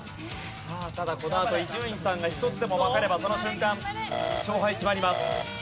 さあただこのあと伊集院さんが１つでもわかればその瞬間勝敗決まります。